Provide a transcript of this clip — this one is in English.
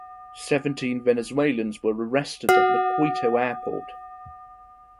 Seventeen Venezuelans were arrested at the Quito airport.